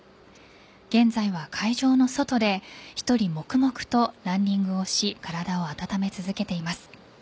現在は会場の外で１人、黙々とランニングをし体を温め続けています。